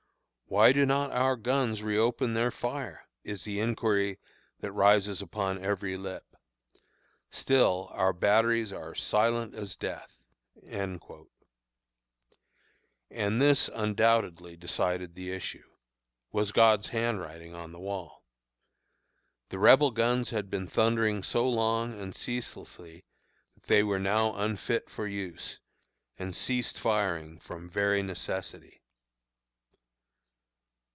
Why do not our guns reopen their fire? is the inquiry that rises upon every lip. Still, our batteries are silent as death!" And this undoubtedly decided the issue was God's handwriting on the wall. The Rebel guns had been thundering so long and ceaselessly that they were now unfit for use, and ceased firing from very necessity.